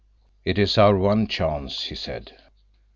"It is our one chance," he said.